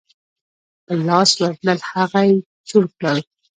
په لاس ورتلل هغه یې چور کړل.